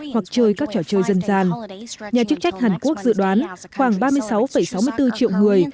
hoặc chơi các trò chơi dân gian nhà chức trách hàn quốc dự đoán khoảng ba mươi sáu sáu mươi bốn triệu người